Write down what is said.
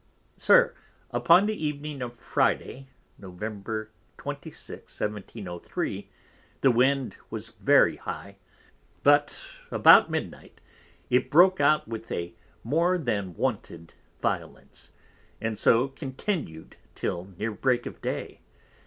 _ SIR, Upon the Evening of Friday, Nov. 26. 1703, the Wind was very high; but about midnight it broke out with a more than wonted Violence, and so continued till near break of day.